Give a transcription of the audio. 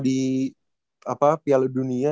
di apa piala dunia